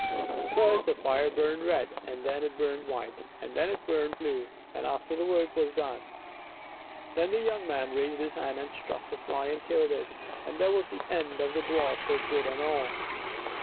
First the fire burned red, and then it burned white, and then it burned blue, and after that the work was done. Then the young man raised his hand and struck the fly and killed it, and that was an end of the dwarf for good and all.